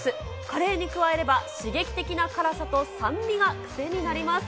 カレーに加えれば、刺激的な辛さと酸味が癖になります。